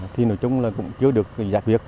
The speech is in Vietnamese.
thì nói chung là cũng chưa được giải quyết